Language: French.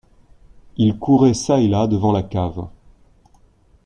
Il courait çà et là devant la cave.